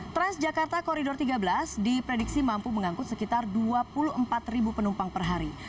transjakarta koridor tiga belas diprediksi mampu mengangkut sekitar dua puluh empat penumpang per hari